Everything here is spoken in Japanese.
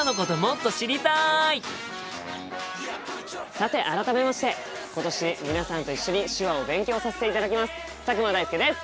さて改めまして今年皆さんと一緒に手話を勉強させていただきます佐久間大介です！